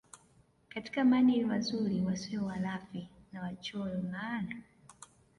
katika maadili mazuri wasiwe walafi na wachoyo maana